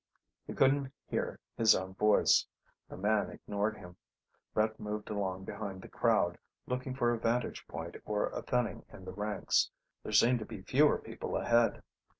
He couldn't hear his own voice. The man ignored him. Brett moved along behind the crowd, looking for a vantage point or a thinning in the ranks. There seemed to be fewer people ahead.